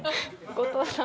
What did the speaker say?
後藤さん。